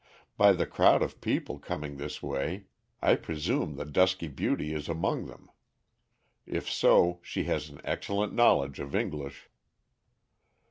By the crowd of people coming this way I presume the dusky beauty is among them. If so, she has an excellent knowledge of English."